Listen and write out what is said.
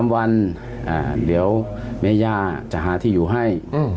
๓วันเดี๋ยวแม่ย่าจะหาที่อยู่ให้